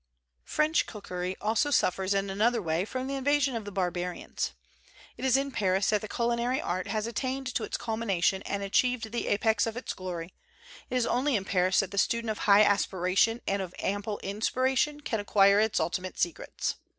French cookery also suffers in another way from the invasion of the barbarians. It is in Paris that the culinary art has attained to its culmination and achieved the apex of its glory; it is only in Paris that the student of high aspira tion and of ample inspiration can acquire its ultimate secrets.